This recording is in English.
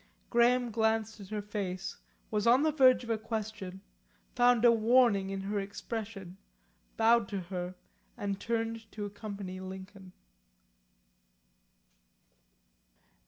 Graham glanced at her face, was on the verge of a question, found a warning in her expression, bowed to her and turned to accompany Lincoln.